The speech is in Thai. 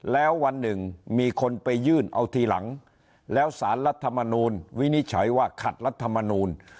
แล้ววันหนึ่งมีคนไปยื่นเอาทีหลังแล้วสารรัฐมนูลวินิจฉัยว่าขัดรัฐมนูล